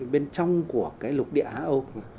bên trong của lục địa hà âu